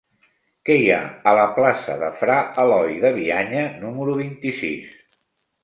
Què hi ha a la plaça de Fra Eloi de Bianya número vint-i-sis?